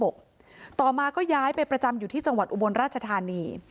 ต่อมาก็ย้ายไปประจำอยู่ที่จังหวัดอุบลราชธานี